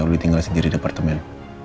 uli tinggal sendiri di departemen